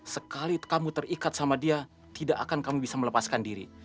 sekali kamu terikat sama dia tidak akan kamu bisa melepaskan diri